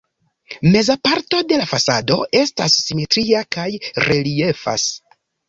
Meza parto de la fasado estas simetria kaj reliefas.